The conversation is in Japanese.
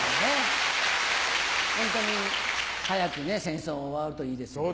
ホントに早く戦争が終わるといいですよね。